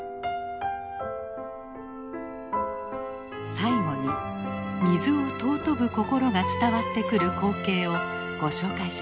最後に水を尊ぶ心が伝わってくる光景をご紹介しましょう。